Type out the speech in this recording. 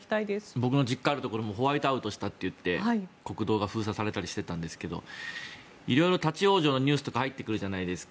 僕の実家があるところもホワイトアウトしたといって国道が封鎖されたりしたんですが色々、立ち往生のニュースとか入ってくるじゃないですか。